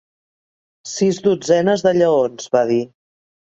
"Sis dotzenes de lleons?", va dir.